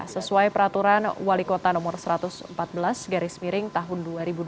sesuai peraturan wali kota no satu ratus empat belas garis miring tahun dua ribu dua puluh